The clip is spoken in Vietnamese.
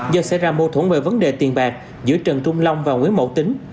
do xảy ra mâu thuẫn về vấn đề tiền bạc giữa trần trung long và nguyễn mậu tính